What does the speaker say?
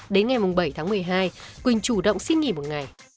đến ngày bảy tháng một mươi hai quỳnh chủ động xin nghỉ một ngày